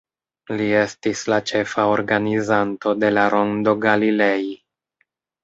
Li estis la ĉefa organizanto de la Rondo Galilei.